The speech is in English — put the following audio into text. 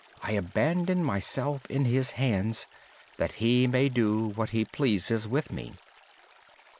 I abandon myself in His hands that He may do what He pleases with me.